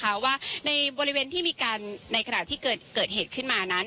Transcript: เพราะว่าในบริเวณที่มีการในขณะที่เกิดเหตุขึ้นมานั้น